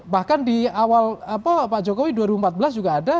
bahkan di awal pak jokowi dua ribu empat belas juga ada